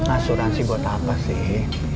asuransi buat apa sih